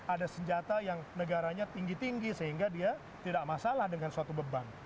ada senjata yang negaranya tinggi tinggi sehingga dia tidak masalah dengan suatu beban